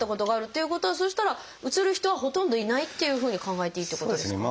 ということはそしたらうつる人はほとんどいないっていうふうに考えていいってことですか？